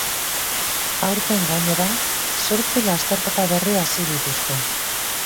Aurten, gainera, zortzi lasterketa berri hasi dituzte.